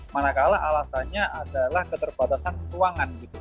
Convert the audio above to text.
manakala alasannya adalah keterbatasan ruangan gitu